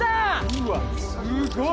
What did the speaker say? うわすごい！